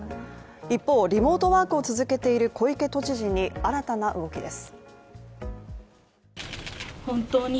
一方リモートワークを続けている小池都知事に新たな動きです。